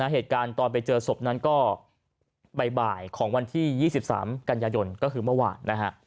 เหตุการณ์ตอนไปเจอศพนั้นก็บ่ายของวันที่๒๓กันยายนก็คือเมื่อวานนะฮะ